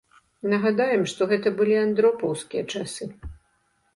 Нагадаем, што гэты былі андропаўскія часы.